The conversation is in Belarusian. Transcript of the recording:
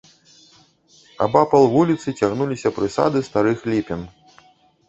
Абапал вуліцы цягнуліся прысады старых ліпін.